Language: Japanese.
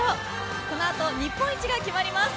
この後、日本一が決まります。